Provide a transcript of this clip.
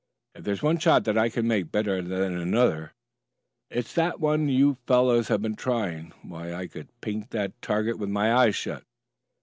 "If there's one shot that I can make better than another it's that one you fellows have been trying. Why, I could pink that target with my eyes shut."